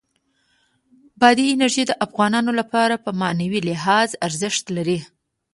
بادي انرژي د افغانانو لپاره په معنوي لحاظ ارزښت لري.